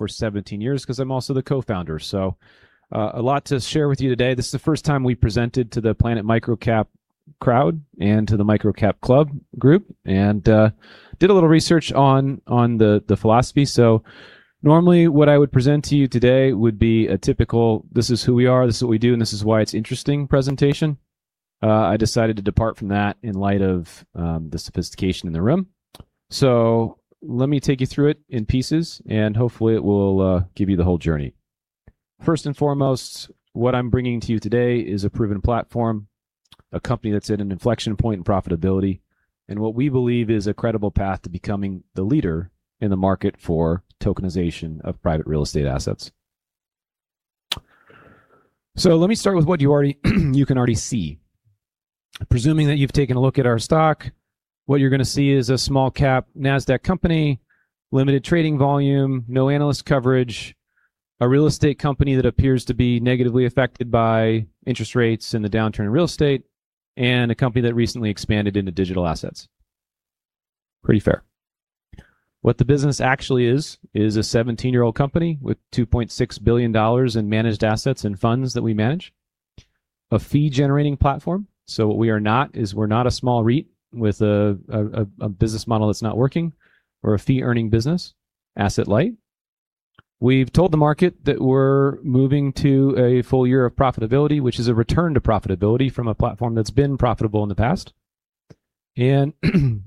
For 17 years, because I'm also the co-founder. A lot to share with you today. This is the first time we've presented to the Planet MicroCap crowd and to the MicroCapClub group, did a little research on the philosophy. Normally, what I would present to you today would be a typical, This is who we are, this is what we do, and this is why it's interesting presentation. I decided to depart from that in light of the sophistication in the room. Let me take you through it in pieces, and hopefully, it will give you the whole journey. First and foremost, what I'm bringing to you today is a proven platform, a company that's at an inflection point in profitability, and what we believe is a credible path to becoming the leader in the market for tokenization of private real estate assets. Let me start with what you can already see. Presuming that you've taken a look at our stock, what you're going to see is a small cap NASDAQ company, limited trading volume, no analyst coverage, a real estate company that appears to be negatively affected by interest rates in the downturn in real estate, and a company that recently expanded into digital assets. Pretty fair. What the business actually is a 17-year-old company with $2.6 billion in managed assets and funds that we manage. A fee-generating platform. What we are not is, we're not a small REIT with a business model that's not working or a fee-earning business. Asset-light. We've told the market that we're moving to a full year of profitability, which is a return to profitability from a platform that's been profitable in the past.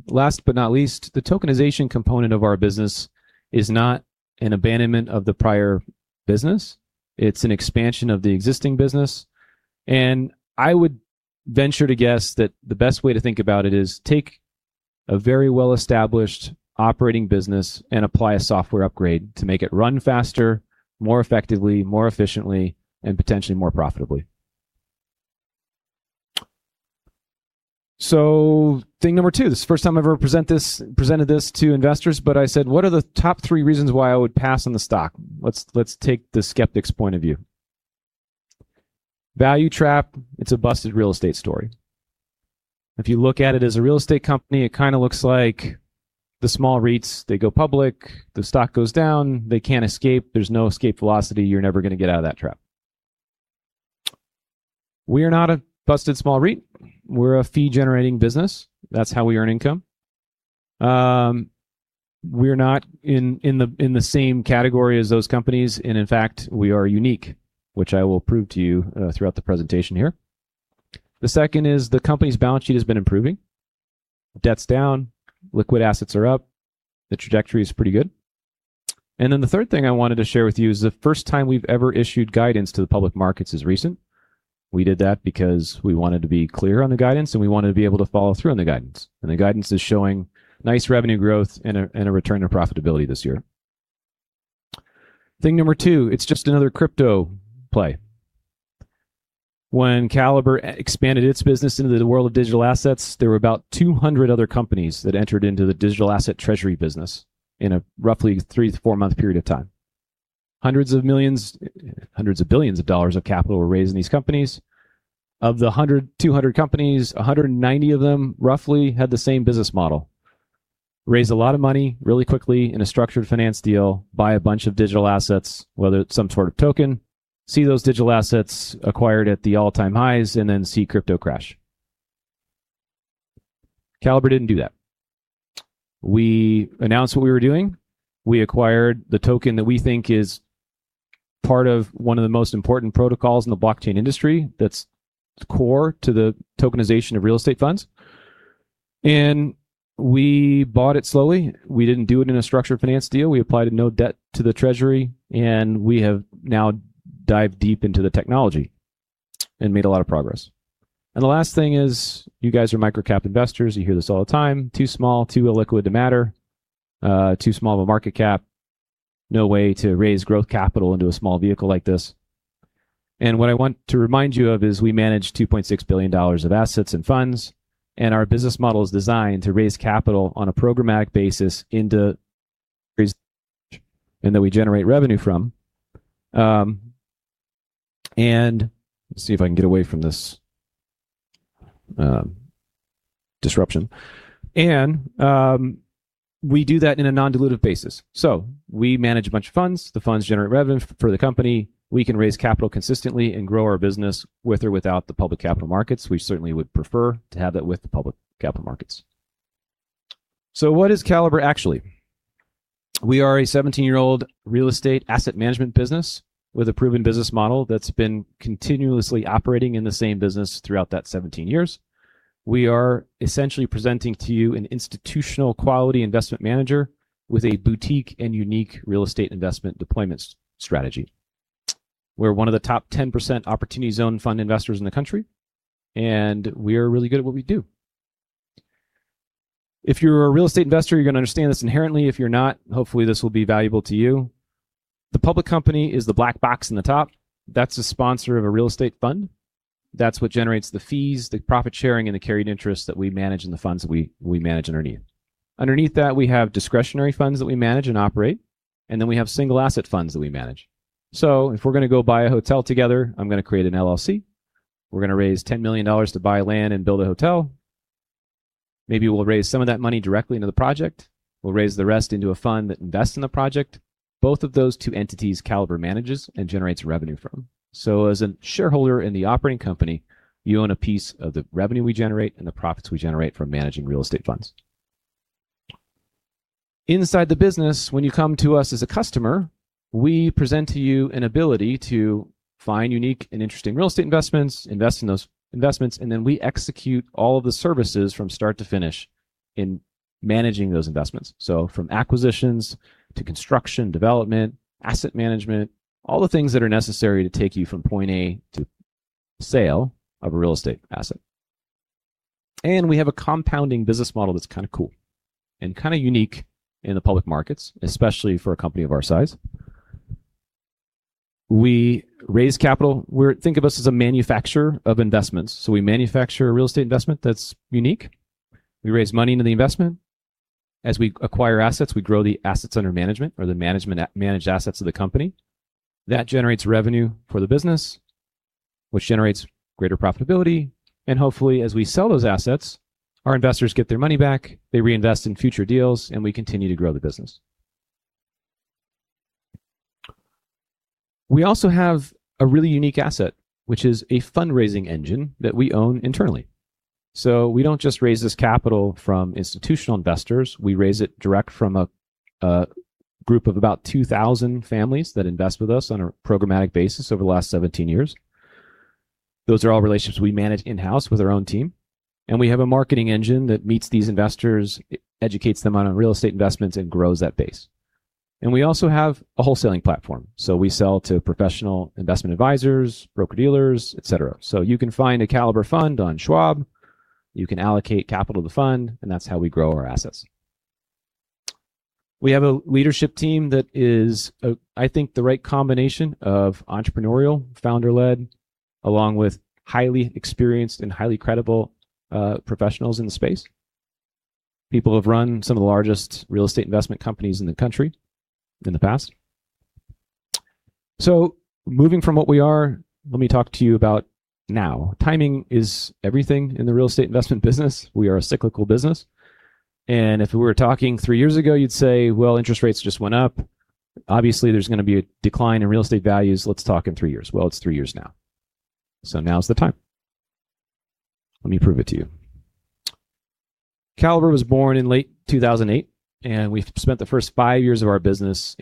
Last but not least, the tokenization component of our business is not an abandonment of the prior business. It's an expansion of the existing business, and I would venture to guess that the best way to think about it is take a very well-established operating business and apply a software upgrade to make it run faster, more effectively, more efficiently, and potentially more profitably. Thing number two. This is the first time I've ever presented this to investors, but I said, what are the top three reasons why I would pass on the stock? Let's take the skeptic's point of view. Value trap. It's a busted real estate story. If you look at it as a real estate company, it kind of looks like the small REITs, they go public, the stock goes down, they can't escape. There's no escape velocity. You're never going to get out of that trap. We are not a busted small REIT. We're a fee-generating business. That's how we earn income. We are not in the same category as those companies, and in fact, we are unique, which I will prove to you throughout the presentation here. The second is the company's balance sheet has been improving. Debt's down, liquid assets are up. The trajectory is pretty good. The third thing I wanted to share with you is the first time we've ever issued guidance to the public markets is recent. We did that because we wanted to be clear on the guidance, and we wanted to be able to follow through on the guidance. The guidance is showing nice revenue growth and a return to profitability this year. Thing number two, it's just another crypto play. When Caliber expanded its business into the world of digital assets, there were about 200 other companies that entered into the digital asset treasury business in a roughly three to four-month period of time. Hundreds of billions of dollars of capital were raised in these companies. Of the 100-200 companies, 190 of them, roughly, had the same business model. Raise a lot of money really quickly in a structured finance deal, buy a bunch of digital assets, whether it is some sort of token, see those digital assets acquired at the all-time highs, and then see crypto crash. Caliber did not do that. We announced what we were doing. We acquired the token that we think is part of one of the most important protocols in the blockchain industry that is core to the tokenization of real estate funds. We bought it slowly. We did not do it in a structured finance deal. We applied no debt to the treasury, and we have now dived deep into the technology and made a lot of progress. The last thing is, you guys are microcap investors. You hear this all the time. Too small, too illiquid to matter. Too small of a market cap. No way to raise growth capital into a small vehicle like this. What I want to remind you of is we manage $2.6 billion of assets and funds, and our business model is designed to raise capital on a programmatic basis into and that we generate revenue from. Let's see if I can get away from this disruption. We do that in a non-dilutive basis. We manage a bunch of funds. The funds generate revenue for the company. We certainly would prefer to have that with the public capital markets. What is Caliber, actually? We are a 17-year-old real estate asset management business with a proven business model that has been continuously operating in the same business throughout that 17 years. We are essentially presenting to you an institutional-quality investment manager with a boutique and unique real estate investment deployment strategy. We are one of the top 10% Opportunity Zone Fund investors in the country, and we are really good at what we do. If you are a real estate investor, you are going to understand this inherently. If you are not, hopefully, this will be valuable to you. The public company is the black box in the top. That is the sponsor of a real estate fund. That is what generates the fees, the profit sharing, and the carried interest that we manage and the funds that we manage underneath. Underneath that, we have discretionary funds that we manage and operate, and then we have single asset funds that we manage. If we are going to go buy a hotel together, I am going to create an LLC. We are going to raise $10 million to buy land and build a hotel. Maybe we will raise some of that money directly into the project. We will raise the rest into a fund that invests in the project, both of those two entities Caliber manages and generates revenue from. As a shareholder in the operating company, you own a piece of the revenue we generate and the profits we generate from managing real estate funds. Inside the business, when you come to us as a customer, we present to you an ability to find unique and interesting real estate investments, invest in those investments, and then we execute all of the services from start to finish in managing those investments. From acquisitions to construction, development, asset management, all the things that are necessary to take you from point A to sale of a real estate asset. We have a compounding business model that's kind of cool and kind of unique in the public markets, especially for a company of our size. We raise capital. Think of us as a manufacturer of investments. We manufacture a real estate investment that's unique. We raise money into the investment. As we acquire assets, we grow the assets under management or the managed assets of the company. That generates revenue for the business, which generates greater profitability. Hopefully, as we sell those assets, our investors get their money back, they reinvest in future deals, and we continue to grow the business. We also have a really unique asset, which is a fundraising engine that we own internally. We don't just raise this capital from institutional investors. We raise it direct from a group of about 2,000 families that invest with us on a programmatic basis over the last 17 years. Those are all relationships we manage in-house with our own team, and we have a marketing engine that meets these investors, educates them on our real estate investments, and grows that base. We also have a wholesaling platform. We sell to professional investment advisors, broker-dealers, etc. You can find a Caliber fund on Schwab. You can allocate capital to the fund, and that's how we grow our assets. We have a leadership team that is, I think, the right combination of entrepreneurial, founder-led, along with highly experienced and highly credible professionals in the space. People who have run some of the largest real estate investment companies in the country in the past. Moving from what we are, let me talk to you about now. Timing is everything in the real estate investment business. We are a cyclical business. If we were talking three years ago, you'd say, well, interest rates just went up. Obviously, there's going to be a decline in real estate values. Let's talk in three years. Well, it's three years now. Now's the time. Let me prove it to you. Caliber was born in late 2008, and we've spent the first five years of our business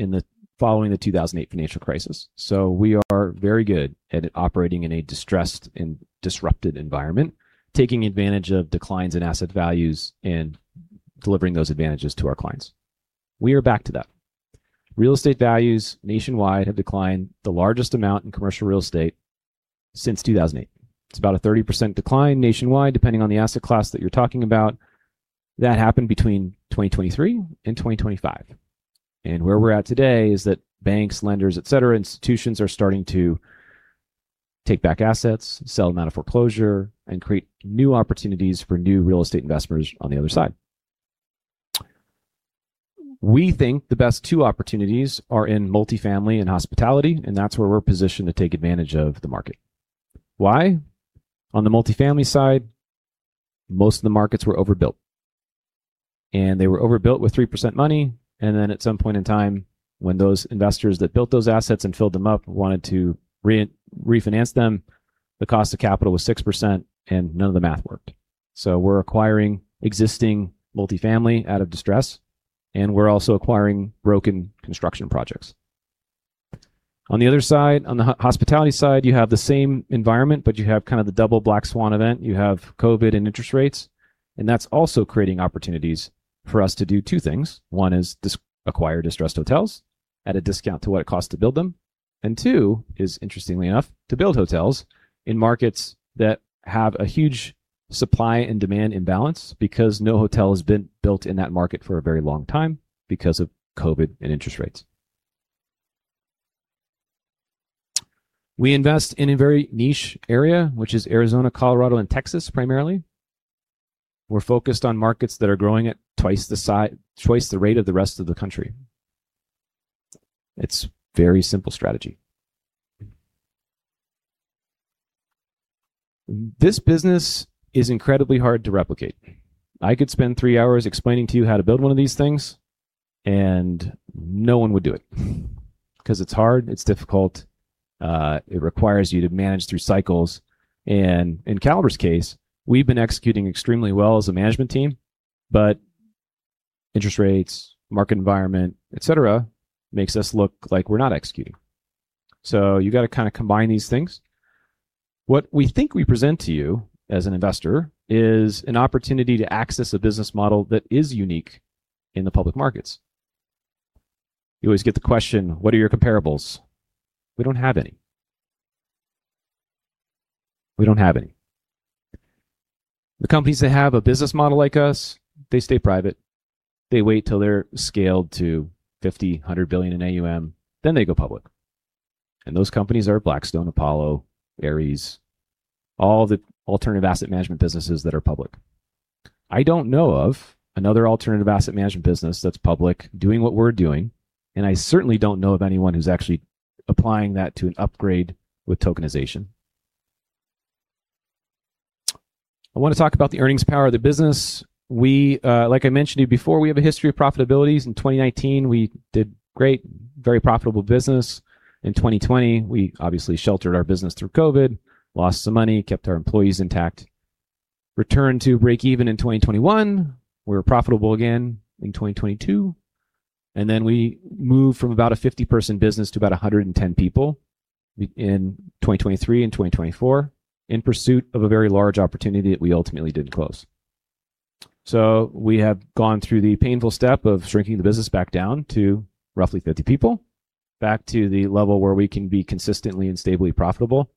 following the 2008 financial crisis. We are very good at operating in a distressed and disrupted environment, taking advantage of declines in asset values and delivering those advantages to our clients. We are back to that. Real estate values nationwide have declined the largest amount in commercial real estate since 2008. It's about a 30% decline nationwide, depending on the asset class that you're talking about. That happened between 2023 and 2025. Where we're at today is that banks, lenders, etc., institutions are starting to take back assets, sell them out of foreclosure, and create new opportunities for new real estate investors on the other side. We think the best two opportunities are in multifamily and hospitality, and that's where we're positioned to take advantage of the market. Why? On the multifamily side, most of the markets were overbuilt. They were overbuilt with 3% money. At some point in time, when those investors that built those assets and filled them up wanted to refinance them, the cost of capital was 6% and none of the math worked. We're acquiring existing multifamily out of distress, and we're also acquiring broken construction projects. On the other side, on the hospitality side, you have the same environment, but you have kind of the double black swan event. You have COVID and interest rates. That's also creating opportunities for us to do two things. One is acquire distressed hotels at a discount to what it costs to build them. Two is, interestingly enough, to build hotels in markets that have a huge supply and demand imbalance because no hotel has been built in that market for a very long time because of COVID and interest rates. We invest in a very niche area, which is Arizona, Colorado, and Texas, primarily. We're focused on markets that are growing at twice the rate of the rest of the country. It's very simple strategy. This business is incredibly hard to replicate. I could spend three hours explaining to you how to build one of these things, and no one would do it because it's hard, it's difficult, it requires you to manage through cycles. In Caliber's case, we've been executing extremely well as a management team, but interest rates, market environment, etc., makes us look like we're not executing. You got to kind of combine these things. What we think we present to you as an investor is an opportunity to access a business model that is unique in the public markets. You always get the question, what are your comparables? We don't have any. We don't have any. The companies that have a business model like us, they stay private. They wait till they're scaled to 50, 100 billion in AUM, then they go public. Those companies are Blackstone, Apollo, Ares, all the alternative asset management businesses that are public. I don't know of another alternative asset management business that's public doing what we're doing, and I certainly don't know of anyone who's actually applying that to an upgrade with tokenization. I want to talk about the earnings power of the business. Like I mentioned to you before, we have a history of profitabilities. In 2019, we did great, very profitable business. In 2020, we obviously sheltered our business through COVID, lost some money, kept our employees intact. Returned to breakeven in 2021. We were profitable again in 2022. We moved from about a 50-person business to about 110 people in 2023 and 2024 in pursuit of a very large opportunity that we ultimately didn't close. We have gone through the painful step of shrinking the business back down to roughly 50 people, back to the level where we can be consistently and stably profitable.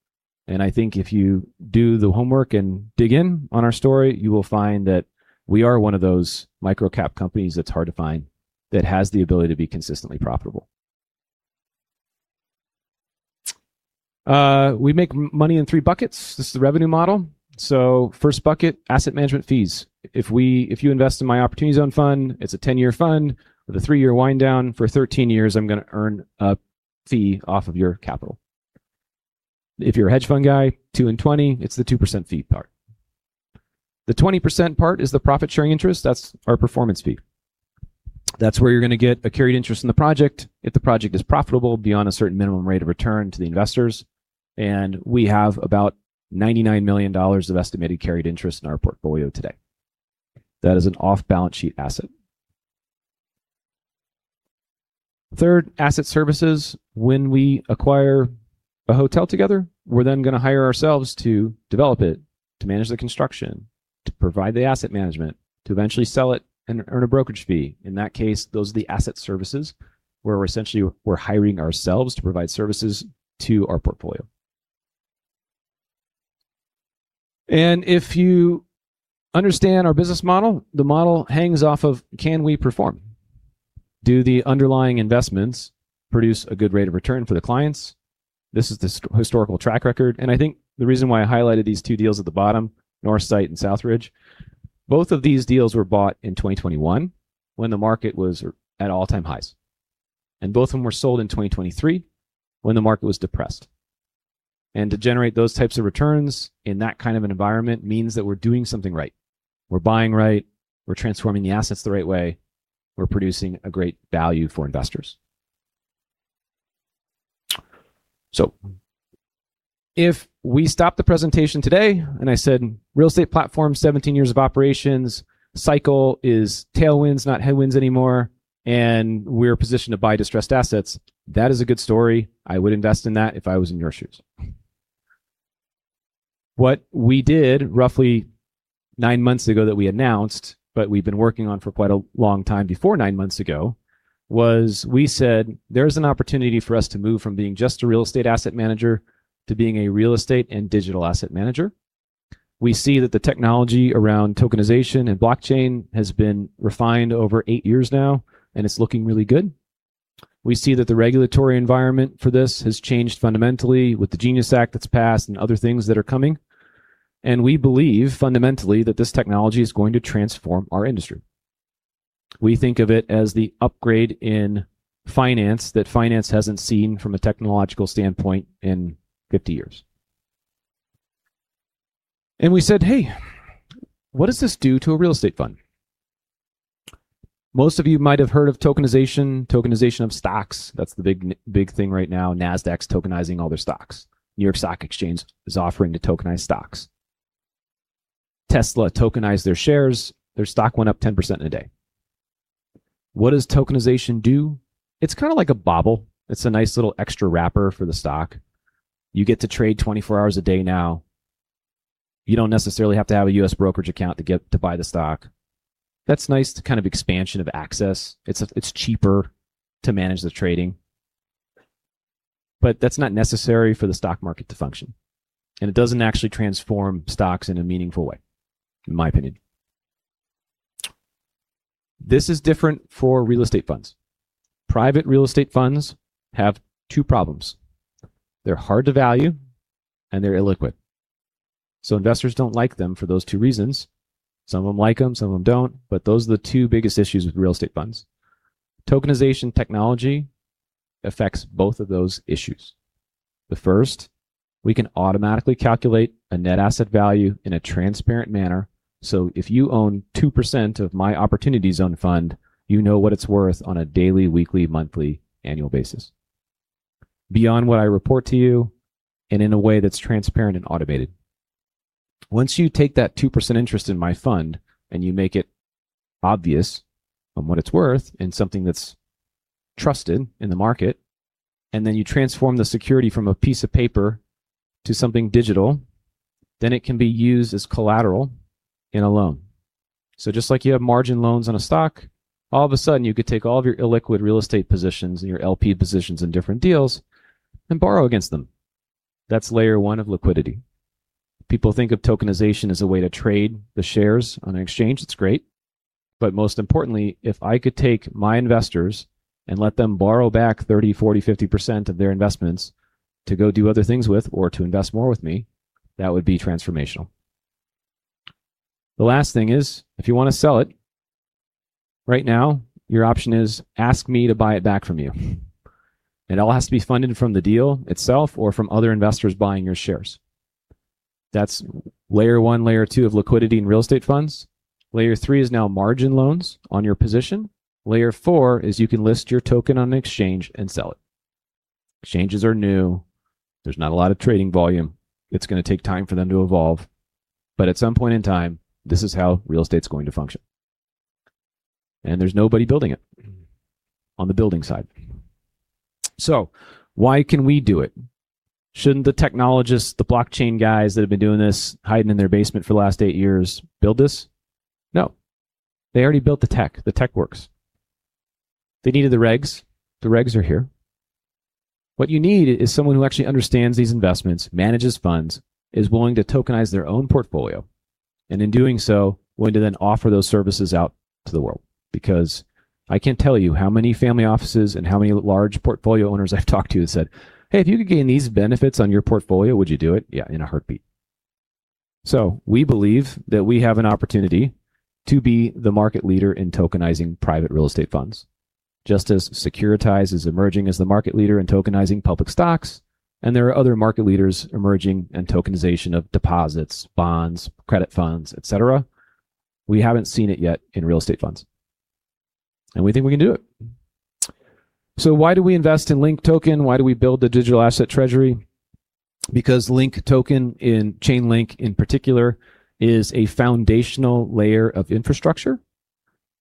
I think if you do the homework and dig in on our story, you will find that we are one of those micro-cap companies that's hard to find, that has the ability to be consistently profitable. We make money in three buckets. This is the revenue model. First bucket, asset management fees. If you invest in my Opportunity Zone Fund, it's a 10-year fund with a three-year wind down. For 13 years, I'm going to earn a fee off of your capital. If you're a hedge fund guy, two and 20, it's the 2% fee part. The 20% part is the profit-sharing interest. That's our performance fee. That's where you're going to get a carried interest in the project if the project is profitable beyond a certain minimum rate of return to the investors, and we have about $99 million of estimated carried interest in our portfolio today. That is an off-balance sheet asset. Third, asset services. When we acquire a hotel together, we're going to hire ourselves to develop it, to manage the construction, to provide the asset management, to eventually sell it and earn a brokerage fee. In that case, those are the asset services, where essentially we're hiring ourselves to provide services to our portfolio. If you understand our business model, the model hangs off of can we perform? Do the underlying investments produce a good rate of return for the clients? This is the historical track record, and I think the reason why I highlighted these two deals at the bottom, Northsight and South Ridge, both of these deals were bought in 2021 when the market was at all-time highs. Both of them were sold in 2023 when the market was depressed. To generate those types of returns in that kind of an environment means that we're doing something right. We're buying right, we're transforming the assets the right way, we're producing a great value for investors. If we stop the presentation today and I said, "Real estate platform, 17 years of operations, cycle is tailwinds, not headwinds anymore, and we're positioned to buy distressed assets," that is a good story. I would invest in that if I was in your shoes. What we did roughly nine months ago that we announced, but we'd been working on for quite a long time before nine months ago, was we said there's an opportunity for us to move from being just a real estate asset manager to being a real estate and digital asset manager. We see that the technology around tokenization and blockchain has been refined over eight years now, and it's looking really good. We see that the regulatory environment for this has changed fundamentally with the GENIUS Act that's passed and other things that are coming. We believe fundamentally that this technology is going to transform our industry. We think of it as the upgrade in finance that finance hasn't seen from a technological standpoint in 50 years. We said, Hey, what does this do to a real estate fund? Most of you might have heard of tokenization of stocks. That's the big thing right now. NASDAQ's tokenizing all their stocks. New York Stock Exchange is offering to tokenize stocks. Tesla tokenized their shares. Their stock went up 10% in a day. What does tokenization do? It's kind of like a bauble. It's a nice little extra wrapper for the stock. You get to trade 24 hours a day now. You don't necessarily have to have a U.S. brokerage account to buy the stock. That's nice, the kind of expansion of access. It's cheaper to manage the trading. That's not necessary for the stock market to function, and it doesn't actually transform stocks in a meaningful way, in my opinion. This is different for real estate funds. Private real estate funds have two problems. They're hard to value and they're illiquid. Investors don't like them for those two reasons. Some of them like them, some of them don't. Those are the two biggest issues with real estate funds. Tokenization technology affects both of those issues. The first, we can automatically calculate a net asset value in a transparent manner. If you own 2% of my Opportunity Zone Fund, you know what it's worth on a daily, weekly, monthly, annual basis. Beyond what I report to you and in a way that's transparent and automated. Once you take that 2% interest in my fund and you make it obvious on what it's worth in something that's trusted in the market, you transform the security from a piece of paper to something digital, then it can be used as collateral in a loan. Just like you have margin loans on a stock, all of a sudden, you could take all of your illiquid real estate positions and your LP positions in different deals and borrow against them. That's layer one of liquidity. People think of tokenization as a way to trade the shares on an exchange. It's great. Most importantly, if I could take my investors and let them borrow back 30%, 40%, 50% of their investments to go do other things with or to invest more with me, that would be transformational. The last thing is, if you want to sell it right now, your option is ask me to buy it back from you. It all has to be funded from the deal itself or from other investors buying your shares. That's layer one, layer two of liquidity in real estate funds. Layer three is now margin loans on your position. Layer four is you can list your token on an exchange and sell it. Exchanges are new. There's not a lot of trading volume. It's going to take time for them to evolve, but at some point in time, this is how real estate's going to function. There's nobody building it on the building side. Why can we do it? Shouldn't the technologists, the blockchain guys that have been doing this, hiding in their basement for the last eight years, build this? No. They already built the tech. The tech works. They needed the regs. The regs are here. What you need is someone who actually understands these investments, manages funds, is willing to tokenize their own portfolio, and in doing so, willing to then offer those services out to the world. Because I can't tell you how many family offices and how many large portfolio owners I've talked to that said, "Hey, if you could gain these benefits on your portfolio, would you do it? Yeah, in a heartbeat. We believe that we have an opportunity to be the market leader in tokenizing private real estate funds, just as Securitize is emerging as the market leader in tokenizing public stocks, and there are other market leaders emerging in tokenization of deposits, bonds, credit funds, etc. We haven't seen it yet in real estate funds, and we think we can do it. Why do we invest in LINK Token? Why do we build the digital asset treasury? Because LINK Token, Chainlink in particular, is a foundational layer of infrastructure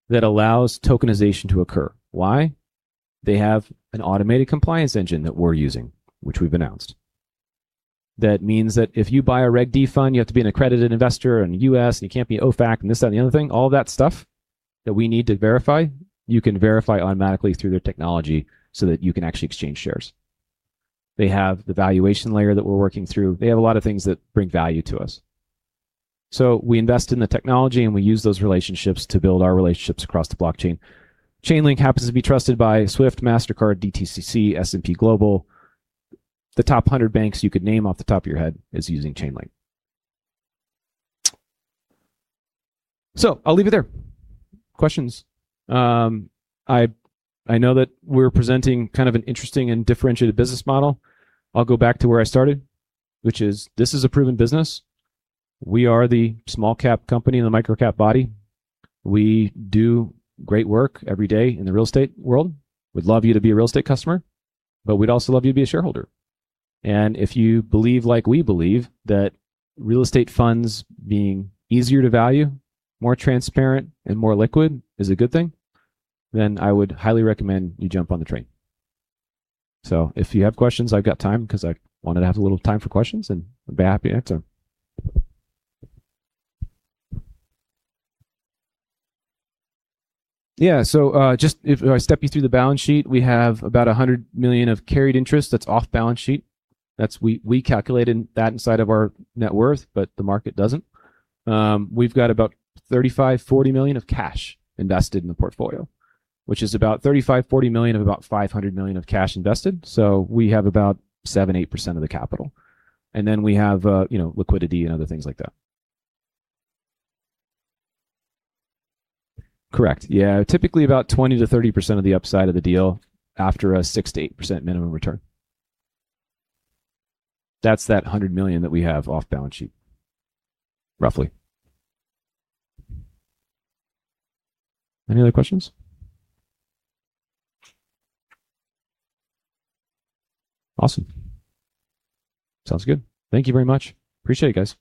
that allows tokenization to occur. Why? They have an automated compliance engine that we're using, which we've announced. That means that if you buy a Reg D fund, you have to be an accredited investor in the U.S., and you can't be OFAC, and this, that, and the other thing. All that stuff that we need to verify, you can verify automatically through their technology so that you can actually exchange shares. They have the valuation layer that we're working through. They have a lot of things that bring value to us. We invest in the technology, and we use those relationships to build our relationships across the blockchain. Chainlink happens to be trusted by SWIFT, Mastercard, DTCC, S&P Global. The top 100 banks you could name off the top of your head is using Chainlink. I'll leave it there. Questions? I know that we're presenting kind of an interesting and differentiated business model. I'll go back to where I started, which is this is a proven business. We are the small cap company and the micro-cap body. We do great work every day in the real estate world. We'd love you to be a real estate customer, but we'd also love you to be a shareholder. If you believe like we believe, that real estate funds being easier to value, more transparent, and more liquid is a good thing, then I would highly recommend you jump on the train. If you have questions, I've got time because I wanted to have a little time for questions, and I'd be happy to answer. Just if I step you through the balance sheet, we have about $100 million of carried interest that's off balance sheet. We calculated that inside of our net worth, but the market doesn't. We've got about $35 million-$40 million of cash invested in the portfolio, which is about $35 million-$40 million of about $500 million of cash invested. We have about 7%-8% of the capital. We have liquidity and other things like that. Correct. Typically about 20%-30% of the upside of the deal after a 6%-8% minimum return. That's that $100 million that we have off balance sheet, roughly. Any other questions? Awesome. Sounds good. Thank you very much. Appreciate it, guys.